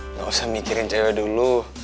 nggak usah mikirin cewek dulu